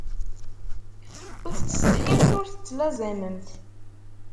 Ur tettsetḥimt ur tettlazamemt.